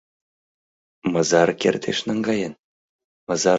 — Мызар кертеш наҥгаен?